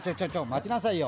待ちなさいよ。